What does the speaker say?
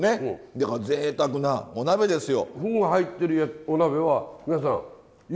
だからぜいたくなお鍋ですよ。